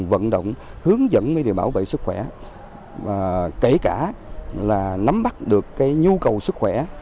vận động hướng dẫn với điều bảo vệ sức khỏe kể cả là nắm bắt được nhu cầu sức khỏe